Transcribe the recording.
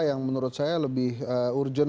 yang menurut saya lebih urgent